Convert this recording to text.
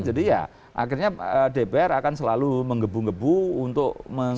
jadi ya akhirnya dpr akan selalu mengebu ngebu untuk mengebutkan